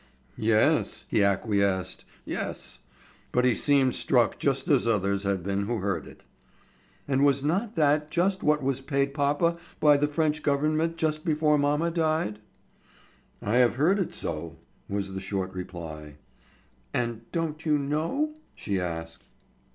"Yes," he acquiesced, "yes." But he seemed struck just as others had been who heard it. "And was not that just what was paid papa by the French government just before mamma died?" "I have heard it so said," was the short reply. "And don't you know?" she asked.